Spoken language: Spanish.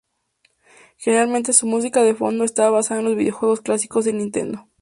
Generalmente su música de fondo está basada en los videojuegos clásicos de Nintendo.